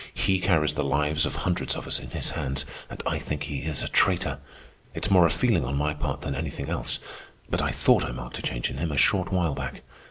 He carries the lives of hundreds of us in his hands, and I think he is a traitor. It's more a feeling on my part than anything else. But I thought I marked a change in him a short while back.